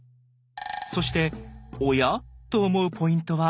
そして「おや？」と思うポイントは右下。